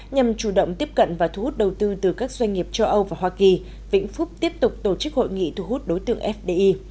nhằm chủ động tiếp cận và thu hút đầu tư từ các doanh nghiệp châu âu và hoa kỳ vĩnh phúc tiếp tục tổ chức hội nghị thu hút đối tượng fdi